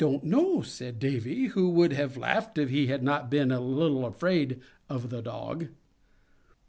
] "I don't know," said Davy, who would have laughed if he had not been a little afraid of the Dog.